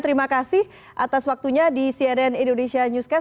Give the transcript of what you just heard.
terima kasih atas waktunya di cnn indonesia newscast